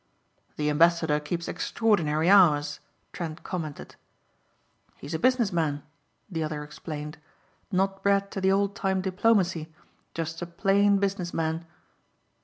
"The ambassador keeps extraordinary hours," Trent commented. "He's a business man," the other explained, "Not bred to the old time diplomacy, just a plain, business man."